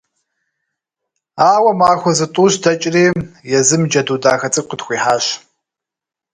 Ауэ махуэ зытӀущ дэкӀри, езым джэду дахэ цӀыкӀу къытхуихьащ…